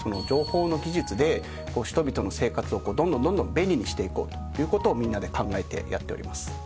情報の技術で人々の生活をどんどんどんどん便利にしていこうということをみんなで考えてやっております。